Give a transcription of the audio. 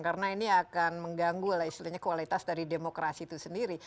karena ini akan mengganggu istilahnya kualitas dari demokrasi itu sendiri